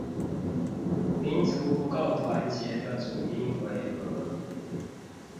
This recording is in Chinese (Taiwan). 民族不夠團結的主因為何？